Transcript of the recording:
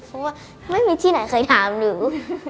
เพราะว่าไม่มีที่ไหนเคยถามหนู